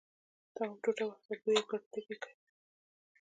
تواب ټوټه واخیسته بوی یې کړ توک یې.